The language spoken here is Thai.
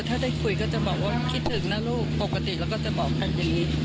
ถ้าได้คุยก็จะบอกว่าคิดถึงนะลูกปกติแล้วก็จะบอกแบบนี้